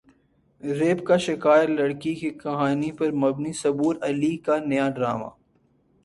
rape کا شکار لڑکی کی کہانی پر مبنی صبور علی کا نیا ڈراما